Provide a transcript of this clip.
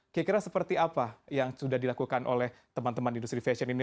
kira kira seperti apa yang sudah dilakukan oleh teman teman industri fashion ini